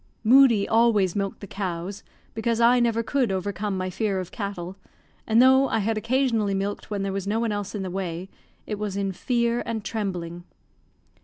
Moodie always milked the cows, because I never could overcome my fear of cattle; and though I had occasionally milked when there was no one else in the way, it was in fear and trembling.